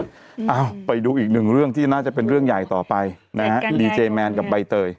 เอ้าไปดูอีกหนึ่งเรื่องที่น่าจะเป็นเรื่องใหญ่ต่อไปนะฮะดีเจแมนกับใบเตย